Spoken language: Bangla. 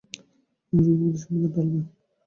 অংশগুলোর মধ্যে সম্বন্ধটা আলগা।